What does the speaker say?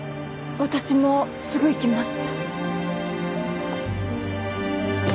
私もすぐ行きます。